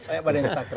tanya kepada instagram